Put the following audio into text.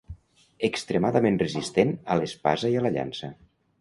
Extremadament resistent a l'espasa i a la llança.